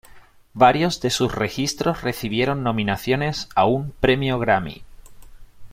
Varios de sus registros recibieron nominaciones a un Premio Grammy.